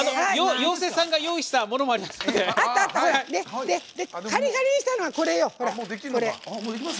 妖精さんが用意したものがあります。